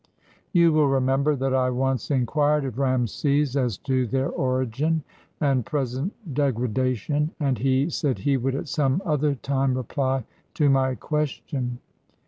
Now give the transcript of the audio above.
You will remember that I once inquired of Rameses as to their origin and present degradation, and he said he would at some other time reply to my question.